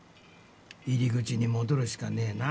入り口に戻るしかねえな。